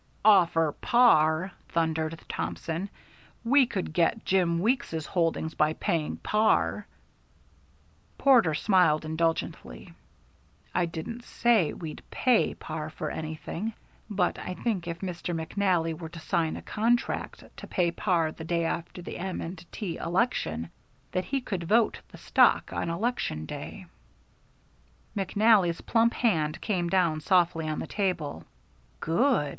"Offer par!" thundered Thompson. "We could get Jim Weeks's holdings by paying par." Porter smiled indulgently. "I didn't say we'd pay par for anything. But I think if Mr. McNally were to sign a contract to pay par the day after the M. and T. election, that he could vote the stock on election day." McNally's plump hand came down softly on the table. "Good!"